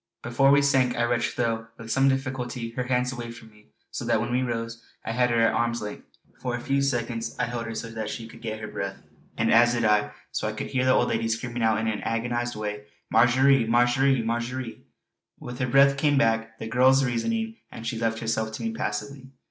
Before we sank I wrenched, though with some difficulty her hands away from me, so that when we rose I had her at arm's length. For a few seconds I held her so that she could get her breath; and as I did so I could hear the old lady screaming out in an agonised way: "Marjory! Marjory! Marjory!" With her breath came back the girl's reason, and she left herself to me passively.